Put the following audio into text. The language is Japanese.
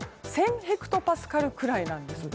ヘクトパスカルくらいなんです。